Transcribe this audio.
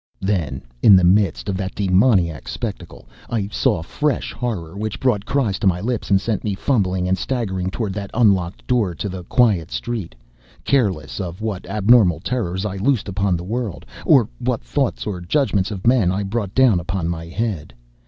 Then, in the midst of that demoniac spectacle, I saw a fresh horror which brought cries to my lips and sent me fumbling and staggering toward that unlocked door to the quiet street, careless of what abnormal terrors I loosed upon the world, or what thoughts or judgments of men I brought down upon my head.